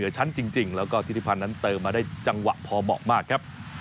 ก็จะทำกากเป็นพอรพฤตของทีมชาติไทยไปลองฟังบางตอนกันครับ